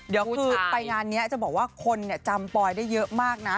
เดี๋ยวคือไปงานนี้จะบอกว่าคนจำปอยได้เยอะมากนะ